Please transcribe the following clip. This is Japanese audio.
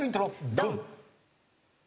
ドン！